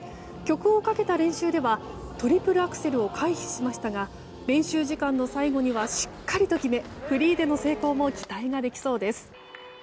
曲をかけた練習ではトリプルアクセルを回避しましたが練習時間の最後にはしっかりと決めフリーでの成功も期待ができそうです。